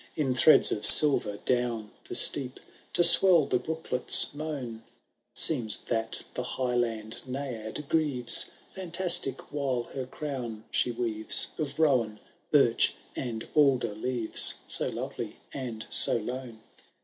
In threads of silver, down the steep. To swell the brooklet*s moan ! Seems that the Highland Naiad grieves, Fantastic while her crown she weaves. Of rowan, birch, and alder leaves, So lovely and so lone.